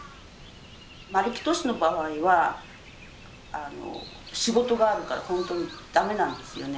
丸木俊の場合は仕事があるからほんとにダメなんですよね。